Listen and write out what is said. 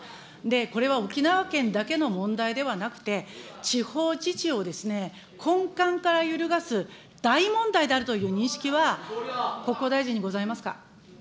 これは沖縄県だけの問題ではなくて、地方自治を根幹から揺るがす大問題であるという認識は、国交大臣にございますか。